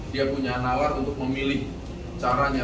dia punya nalar untuk memilih caranya